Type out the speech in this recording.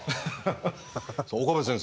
岡部先生